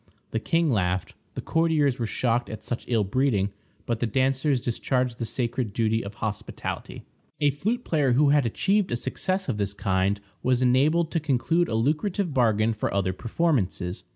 The king laughed; the courtiers were shocked at such ill breeding, but the dancers discharged the sacred duty of hospitality. A flute player who had achieved a success of this kind was enabled to conclude a lucrative bargain for other performances.